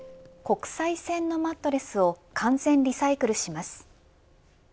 国際線のマットレスを完全リサイクルします。